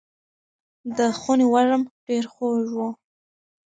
د خونې وږم ډېر خوږ و.